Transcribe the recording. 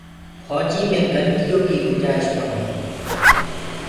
ڦوجي مي گلتيو ڪي گُنجآئيش ڪونآ۔